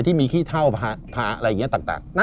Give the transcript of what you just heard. ที่มีขี้เท่าพระอะไรอย่างนี้ต่าง